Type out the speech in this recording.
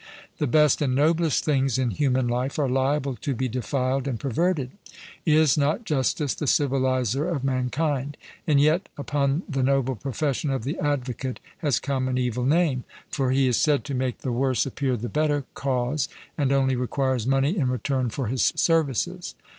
The best and noblest things in human life are liable to be defiled and perverted. Is not justice the civilizer of mankind? And yet upon the noble profession of the advocate has come an evil name. For he is said to make the worse appear the better cause, and only requires money in return for his services.